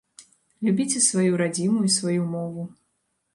Любіце сваю радзіму і сваю мову.